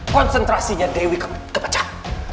konsentrasinya dewi kepecah